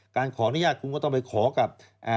การขออนุญาตคุณก็ต้องไปขอกับ